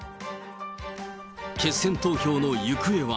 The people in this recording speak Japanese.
決選投票の行方は？